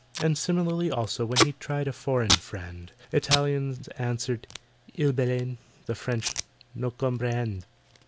And, similarly, also, when He tried a foreign friend; Italians answered, "Il balen"— The French, "No comprehend."